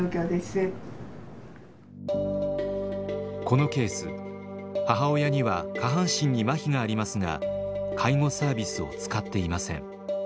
このケース母親には下半身にまひがありますが介護サービスを使っていません。